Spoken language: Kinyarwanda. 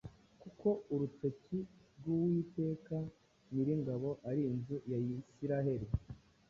kuko urutoki rw’Uwiteka Nyiringabo ari inzu ya Isirayeli,